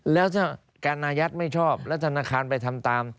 แล้วถ้าการอายัดไม่ชอบแล้วธนาคารไปทำตาม